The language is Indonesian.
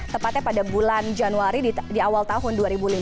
tepatnya pada bulan januari di awal tahun dua ribu lima belas